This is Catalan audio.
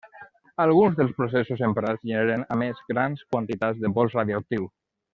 Alguns dels processos emprats generen a més grans quantitats de pols radioactiu.